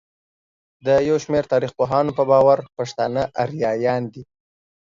د يوشمېر تاريخپوهانو په باور پښتانه اريايان دي.